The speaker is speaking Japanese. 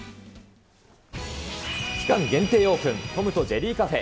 期間限定オープン、トムとジェリーカフェ。